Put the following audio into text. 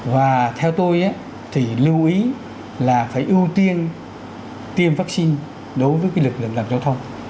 và theo tôi thì lưu ý là phải ưu tiên tiêm vaccine đối với lực lượng làm giao thông